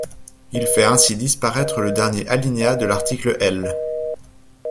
Il fait ainsi disparaître le dernier alinéa de l’article L.